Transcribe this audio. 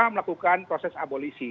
untuk segera melakukan proses abolisi